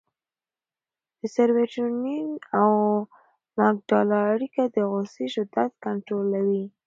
د سېرټونین او امګډالا اړیکه د غوسې شدت کنټرولوي.